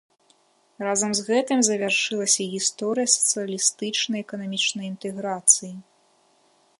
Разам з гэтым завяршылася і гісторыя сацыялістычнай эканамічнай інтэграцыі.